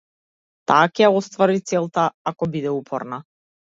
Таа ќе ја оствари целта ако биде упорна.